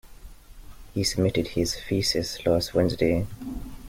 He submitted his thesis last Wednesday.